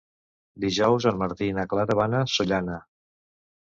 Dijous en Martí i na Clara van a Sollana.